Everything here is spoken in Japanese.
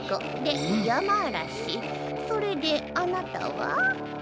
それであなたは？